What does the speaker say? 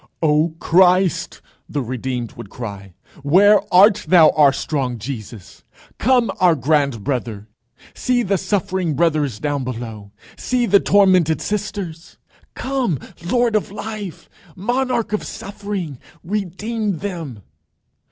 "O Christ!" the redeemed would cry, "where art thou, our strong Jesus? Come, our grand brother. See the suffering brothers down below! See the tormented sisters! Come, Lord of Life! Monarch of Suffering! Redeem them.